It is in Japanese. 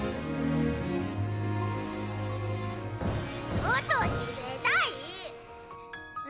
外に出たいー！！